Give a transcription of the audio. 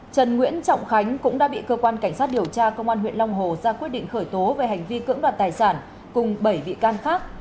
trần nguyễn trọng khánh cũng đã bị cơ quan cảnh sát điều tra công an huyện long hồ ra quyết định khởi tố về hành vi cưỡng đoạt tài sản cùng bảy bị can khác